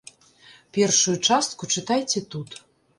Першую частку чытайце тут.